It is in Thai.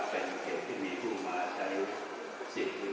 เป็นเขตที่มีผู้มาใช้สิทธิ์